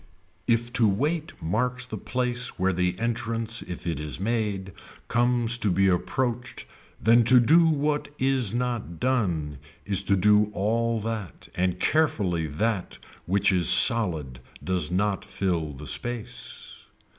If to wait marks the place where the entrance if it is made comes to be approached then to do what is not done is to do all that and carefully that which is solid does not fill the space.